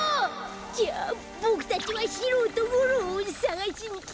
じゃあボクたちはシローとゴローをさがしにきたんだね？